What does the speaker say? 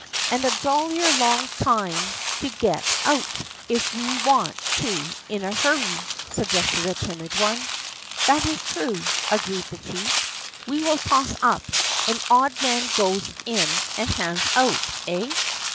"And a jollier long time to get out, if we want to, in a hurry," suggested the timid one. "That is true," agreed the chief. "We will toss up, and 'odd man' goes in and hands out eh?"